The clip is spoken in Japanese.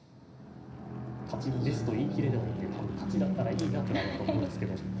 勝ちですと言い切れないんで多分勝ちだったらいいなくらいだと思うんですけど。